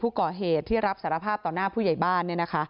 ผู้ก่อเหตุที่รับสารภาพต่อหน้าผู้ใหญ่บ้าน